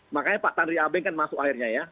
makanya pak tanri abeng kan masuk akhirnya ya